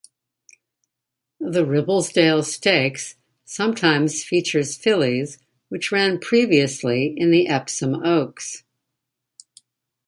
The Ribblesdale Stakes sometimes features fillies which ran previously in the Epsom Oaks.